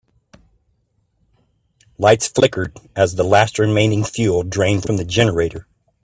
Lights flickered as the last remaining fuel drained from the generator.